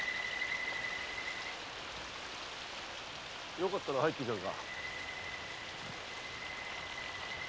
よかったら入っていかぬか。